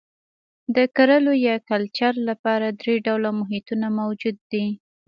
د کرلو یا کلچر لپاره درې ډوله محیطونه موجود دي.